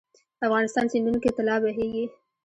افغانستان سیندونو کې طلا بهیږي 😱